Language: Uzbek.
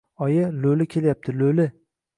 Oyi! Lo‘li kelyapti, lo‘li!